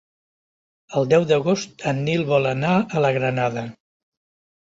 El deu d'agost en Nil vol anar a la Granada.